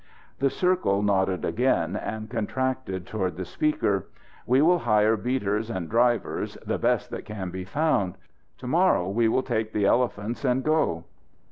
The circle nodded again, and contracted toward the speaker. "We will hire beaters and drivers, the best that can be found. To morrow we will take the elephants and go."